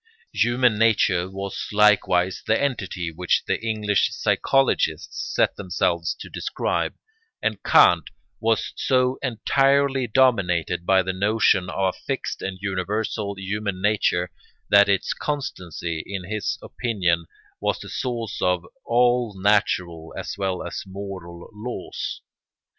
Human nature was likewise the entity which the English psychologists set themselves to describe; and Kant was so entirely dominated by the notion of a fixed and universal human nature that its constancy, in his opinion, was the source of all natural as well as moral laws.